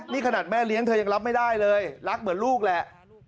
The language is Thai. นี่ขนาดแม่เลี้ยงเธอยังรับไม่ได้เลยรักเหมือนลูกแหละ